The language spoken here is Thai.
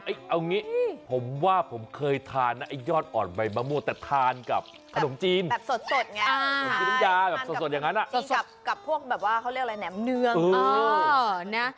เอ้ยเอานี้ผมว่าผมเคยทานไอ้ยอดอ่อนใบมะม่วงแต่ทานกับขนมจีน